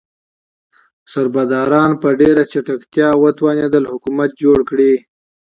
سربداران په ډیره چټکتیا وتوانیدل حکومت جوړ کړي.